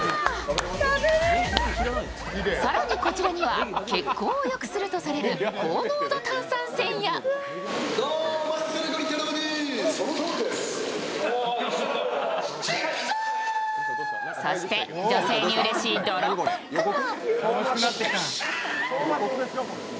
更にこちらには血行をよくするとされる高濃度炭酸泉やそして、女性にうれしい泥パックも。